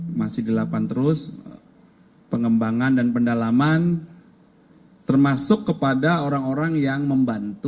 ini masih delapan terus pengembangan dan pendalaman termasuk kepada orang orang yang membantu